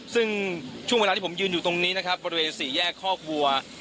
ซึ่งช่วงเวลาที่ผมยืนอยู่ตรงนี้นะครับบริเวณสี่แยกคอกวัว